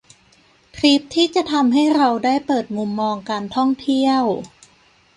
ทริปที่จะทำให้เราได้เปิดมุมมองการท่องเที่ยว